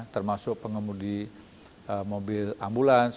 termasuk pengemudi mobil ambulans